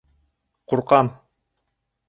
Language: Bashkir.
Ҡурҡам!